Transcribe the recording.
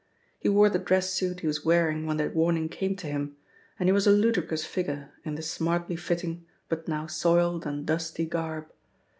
He wore the dress suit he was wearing when the warning came to him, and he was a ludicrous figure in the smartly fitting, but now soiled and dusty garb.